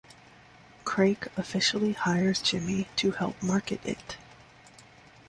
Crake officially hires Jimmy to help market it.